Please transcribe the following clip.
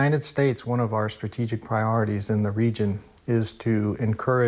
เพราะว่าอีเมริกาสิ่งที่เราต้องการ